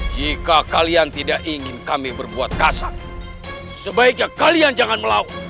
jika kalian tidak ingin kami berbuat kasar sebaiknya kalian jangan melaut